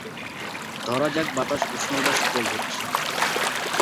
ধরা যাক বাতাস উষ্ণ বা শীতল হচ্ছে।